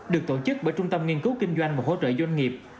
được tổ chức bởi trung tâm nghiên cứu kinh doanh và hỗ trợ doanh nghiệp